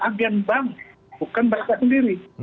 agen bank bukan mereka sendiri